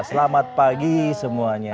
selamat pagi semuanya